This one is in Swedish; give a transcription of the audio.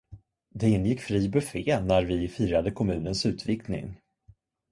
Det ingick fri buffé när vi firade kommunens utvidgning.